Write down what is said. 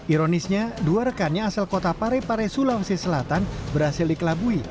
ironisnya dua rekannya asal kota parepare sulawesi selatan berhasil dikelabui